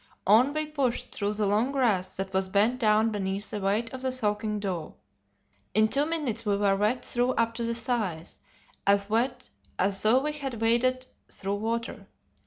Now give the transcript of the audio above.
On we pushed through the long grass that was bent down beneath the weight of the soaking dew. In two minutes we were wet through up to the thighs, as wet as though we had waded through water.